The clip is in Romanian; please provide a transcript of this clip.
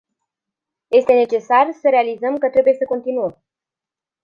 Este necesar să realizăm că trebuie să continuăm.